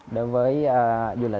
đối với du lịch cộng đồng này